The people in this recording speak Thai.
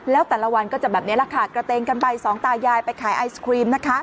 แล้วแต่ละวันก็จะแบบนี้แหละค่ะกระเตงกันไปสองตายายไปขายไอศครีมนะคะ